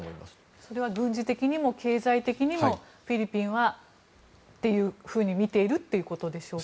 それは軍事的にも経済的にもフィリピンはというふうに見ているということでしょうか。